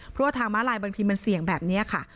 เพราะว่าทางม้าลายบางทีมันเสี่ยงแบบนี้ค่ะ